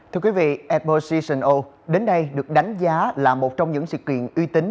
thưa quý vị epoch session o đến đây được đánh giá là một trong những sự kiện uy tín